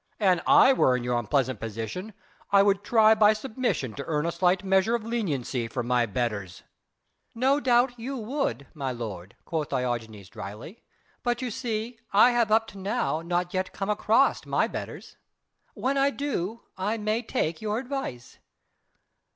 An I were in your unpleasant position, I would try by submission to earn a slight measure of leniency from my betters." "No doubt you would, my lord," quoth Diogenes dryly, "but you see I have up to now not yet come across my betters. When I do, I may take your advice."